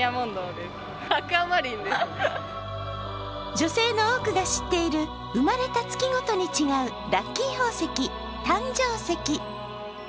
女性の多くが知っている生まれた月ごとに違うラッキー宝石、誕生石。